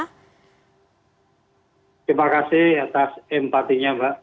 terima kasih atas empatinya mbak